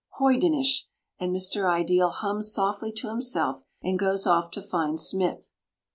"Hoydenish!" and Mr. Ideal hums softly to himself and goes off to find Smith.